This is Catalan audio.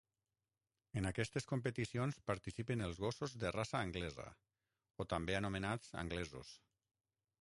En aquestes competicions participen els gossos de raça anglesa, o també anomenats anglesos.